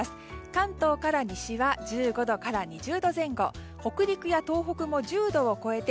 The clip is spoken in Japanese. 関東から西は１５度から２０度前後北陸や東北も１０度を超えて